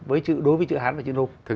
đối với chữ hán và chữ nôm